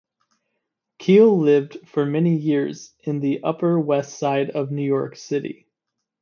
Keel lived for many years in the Upper West Side of New York City.